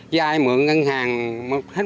giá ai mượn nông dân gặp nhiều khó khăn